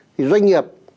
thì doanh nghiệp